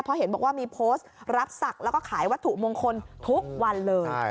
เพราะเห็นบอกว่ามีโพสต์รับศักดิ์แล้วก็ขายวัตถุมงคลทุกวันเลย